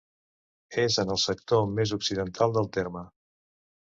És en el sector més occidental del terme.